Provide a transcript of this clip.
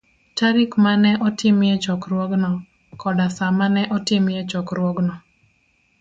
tarik ma ne otimie chokruogno, koda sa ma ne otimie chokruogno